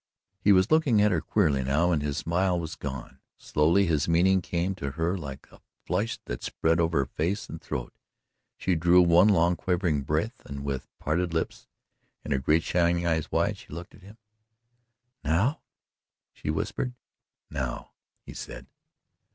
He was looking at her queerly now and his smile was gone. Slowly his meaning came to her like the flush that spread over her face and throat. She drew in one long quivering breath and, with parted lips and her great shining eyes wide, she looked at him. "Now?" she whispered. "Now!" he said.